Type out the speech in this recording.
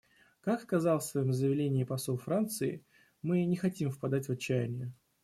Как сказал в своем заявлении посол Франции, мы не хотим впадать в отчаяние.